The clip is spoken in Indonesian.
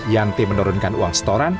yanti menurunkan uang setoran